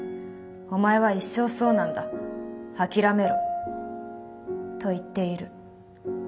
お前は一生そうなんだ諦めろ』と言っている。